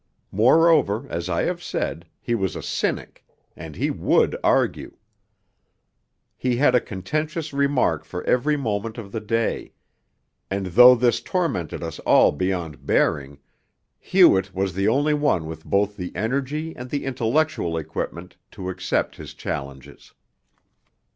Moreover, as I have said, he was a cynic, and he would argue. He had a contentious remark for every moment of the day; and though this tormented us all beyond bearing, Hewett was the only one with both the energy and the intellectual equipment to accept his challenges.